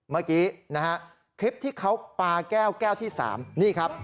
เมื่อกี้นะฮะคลิปที่เขาปาแก้วแก้วที่๓นี่ครับ